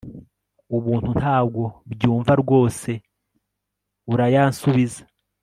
ubuntu ntabwo byumva rwose urayansubiza